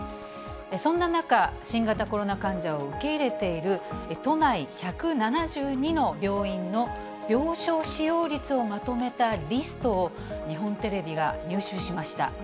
そんな中、新型コロナ患者を受け入れている都内１７２の病院の病床使用率をまとめたリストを、日本テレビが入手しました。